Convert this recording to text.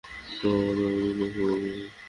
তোমার মা তোমার বিয়ে নিয়ে খুব আগ্রহী।